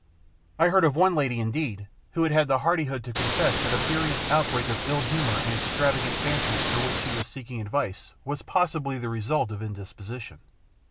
I heard of one lady, indeed, who had the hardihood to confess that a furious outbreak of ill humour and extravagant fancies for which she was seeking advice was possibly the result of indisposition.